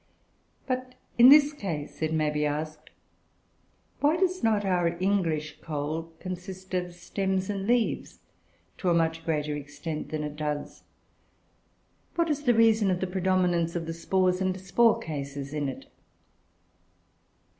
But, in this case it may be asked, why does not our English coal consist of stems and leaves to a much greater extent than it does? What is the reason of the predominance of the spores and spore cases in it?